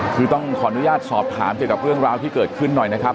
คือต้องขออนุญาตสอบถามเกี่ยวกับเรื่องราวที่เกิดขึ้นหน่อยนะครับ